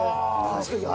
確かに。